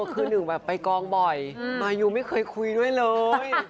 คือหนึ่งแบบไปกองบ่อยมายูไม่เคยคุยด้วยเลย